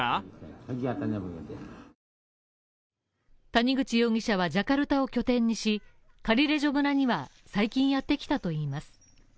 谷口容疑者はジャカルタを拠点にし、カリレジョ村には、最近やってきたといいます。